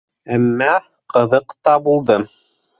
— Әммә ҡыҙыҡ та булды!